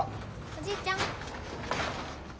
おじいちゃん！